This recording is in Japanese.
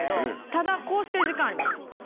ただこうしてる時間あります